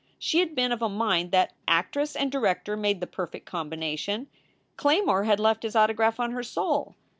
She had been of a mind that actress and director made the perfect combina tion. Claymore had left his autograph on her soul.